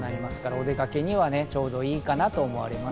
お出かけには、ちょうどいいかなと思われます。